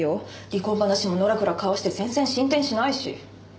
離婚話ものらくらかわして全然進展しないし。